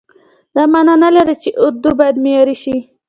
دا معنا نه لري چې اردو باید معیار شي.